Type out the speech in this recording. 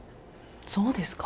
そうですか？